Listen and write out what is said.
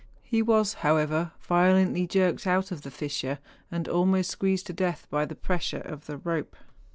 He was, however, violently jerked out of the fissure, and almost squeezed to death by the pressure of the rope.